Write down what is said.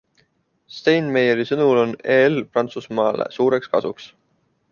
Steinmeieri sõnul on EL Prantsusmaale suureks kasuks.